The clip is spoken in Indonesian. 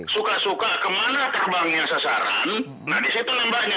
suka suka kemana terbangnya sasaran nah disitu lembahnya